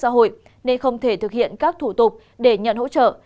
xã hội nên không thể thực hiện các thủ tục để nhận hỗ trợ